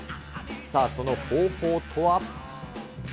さあ、その方法とは。